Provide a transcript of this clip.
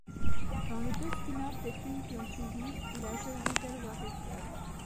Dans les deux spin-off des films qui ont suivi, il a joué Widdle Warrick.